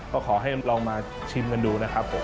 ก็ขอให้ลองมาชิมกันดูนะครับผม